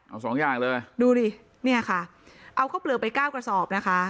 เอาสองอย่างเลยดูดิเนี่ยค่ะเอาข้าวเปลือกไปเก้ากระสอบนะคะ